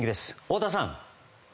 太田さん。